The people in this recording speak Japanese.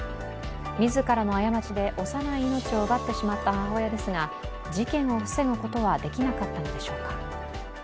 自らの過ちで幼い命を奪ってしまった母親ですが、事件を防ぐことはできなかったのでしょうか。